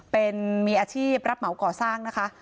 เป็นมีอาชีพรับเหมาก่อสร้างนะคะ